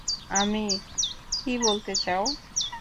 আমি --- কি বলতে চাও?